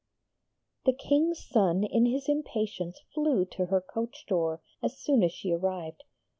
The King's son in his impatience flew to her coach door as soon as she arrived.